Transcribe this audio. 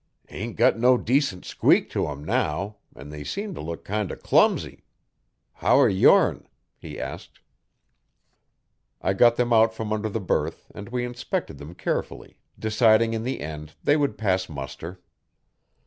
'Ain't got no decent squeak to 'em now, an' they seem t' look kind o' clumsy. How're your'n?' he asked. I got them out from under the berth and we inspected them carefully deciding in the end they would pass muster.